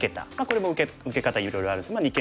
これも受け方いろいろあるんです。